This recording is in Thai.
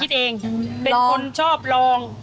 เองเป็นคนชอบลอง